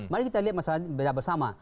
mari kita lihat masalahnya bersama